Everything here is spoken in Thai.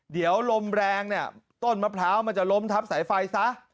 เดี๋ยวลมแรงเนี่ยต้นมะพร้าวมันจะล้มทับสายไฟซะ